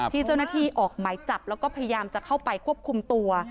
ที่เจ้าหน้าที่ออกหมายจับแล้วก็พยายามจะเข้าไปควบคุมตัว